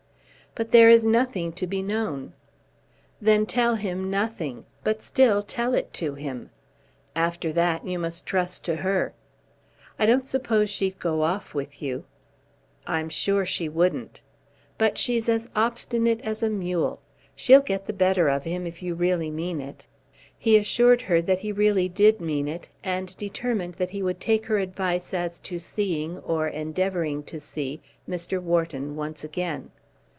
"But there is nothing to be known." "Then tell him nothing; but still tell it to him. After that you must trust to her. I don't suppose she'd go off with you." "I'm sure she wouldn't." "But she's as obstinate as a mule. She'll get the better of him if you really mean it." He assured her that he really did mean it, and determined that he would take her advice as to seeing, or endeavouring to see, Mr. Wharton once again.